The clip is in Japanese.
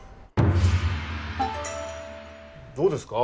どうですか？